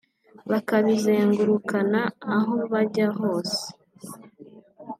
bakabizengurukana aho bajya hose